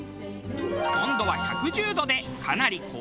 温度は１１０度でかなり高温のサウナ。